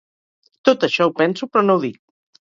Tot això ho penso però no ho dic.